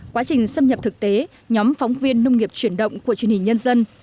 quá trình xâm nhập thực tế nhóm phóng viên nông nghiệp chuyển động của truyền hình nhân dân